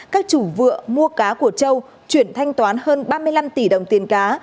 các chủ vựa mua cá của châu chuyển thanh toán hơn ba mươi năm tỷ đồng tiền cá